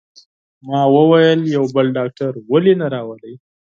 ما وویل: یو بل ډاکټر ولې نه راولئ؟